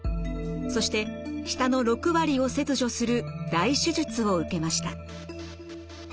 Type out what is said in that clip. そして舌の６割を切除する大手術を受けました。